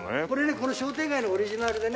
この商店街のオリジナルでね。